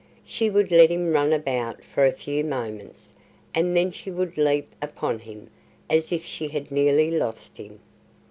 She would let him run about for a few moments and then she would leap upon him as if she had nearly lost him.